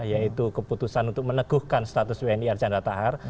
yaitu keputusan untuk meneguhkan status wni archandra tahar